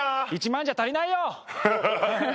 １万円じゃ足りないよ！